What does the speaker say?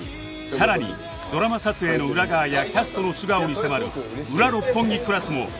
さらにドラマ撮影の裏側やキャストの素顔に迫る『ウラ六本木クラス』も独占配信中